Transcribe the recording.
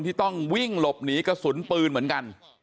ที่ต้องวิ่งหลบหนีกระสุนปืนเหมือนกัน